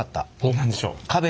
何でしょう。